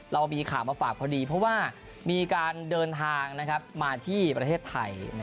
เรามีข่าวมาฝากพอดีเพราะว่ามีการเดินทางมาที่ประเทศไทย